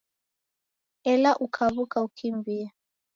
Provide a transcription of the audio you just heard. Ela ukaw'uka ukimbie